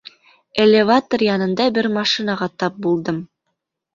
Элеватор янында бер машинаға тап булдым.